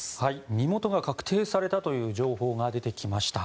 身元が確定されたという情報が出てきました。